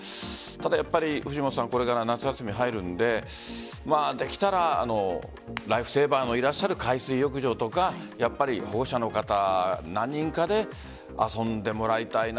ただ、やっぱりこれから夏休みに入るのでできたらライフセーバーのいらっしゃる海水浴場とか保護者の方何人かで遊んでもらいたいな。